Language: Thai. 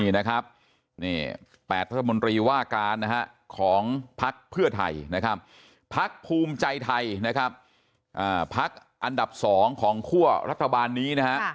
๘รัฐมนตรีว่าการของพักเพื่อไทยพักภูมิใจไทยพักอันดับ๒ของคั่วรัฐบาลนี้